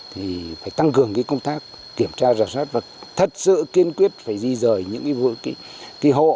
thì phải tăng cường công tác kiểm tra rào sát và thật sự kiên quyết phải di rời những vụ kỳ hộ